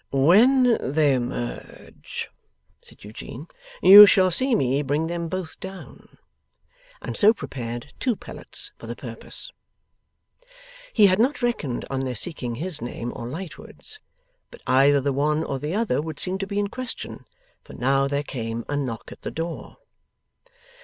'When they emerge,' said Eugene, 'you shall see me bring them both down'; and so prepared two pellets for the purpose. He had not reckoned on their seeking his name, or Lightwood's. But either the one or the other would seem to be in question, for now there came a knock at the door.